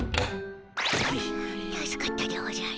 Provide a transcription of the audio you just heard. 助かったでおじゃる。